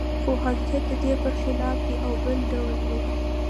خو حقیقت د دې پرخلاف دی او بل ډول و